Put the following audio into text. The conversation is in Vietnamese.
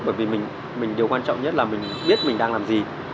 bởi vì điều quan trọng nhất là mình biết mình đang làm gì